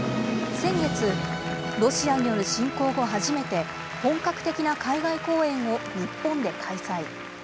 先月、ロシアによる侵攻後初めて、本格的な海外公演を日本で開催。